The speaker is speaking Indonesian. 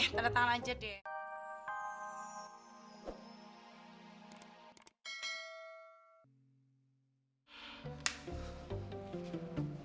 tanda tangan aja deh